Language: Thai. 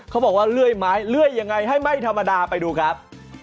เขาบอกว่าเวลอีกนี้เรื่อยังไงให้ไหม่ธรรมดาเอาไปดูครับ